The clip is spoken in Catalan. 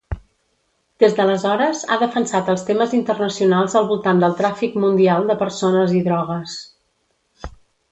Des d'aleshores, ha defensat els temes internacionals al voltant del tràfic mundial de persones i drogues.